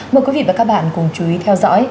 mời quý vị và các bạn cùng chú ý theo dõi